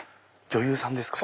女優さんですか？